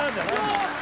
よし！